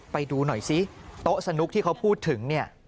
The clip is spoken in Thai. ไปดูหน่อยซิโต๊ะสนุกที่เขาพูดถึงเนี่ย